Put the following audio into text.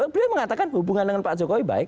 beliau mengatakan hubungan dengan pak jokowi baik